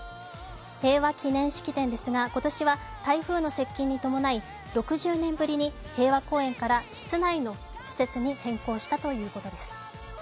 平和祈念式典ですが今年は台風の接近に伴い、６０年ぶりに平和公園から室内の施設に変更したということです。